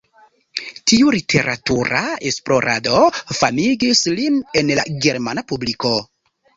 Tiu literatura esplorado famigis lin en la germana publiko.